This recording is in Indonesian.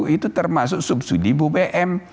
itu termasuk subsidi bbm